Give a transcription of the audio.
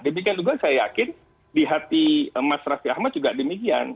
demikian juga saya yakin di hati mas raffi ahmad juga demikian